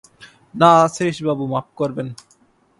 না শ্রীশবাবু, মাপ করবেন।